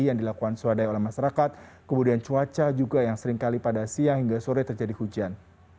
yang dilakukan swadaya oleh masyarakat kemudian cuaca juga yang seringkali pada siang hingga sore terjadi hujan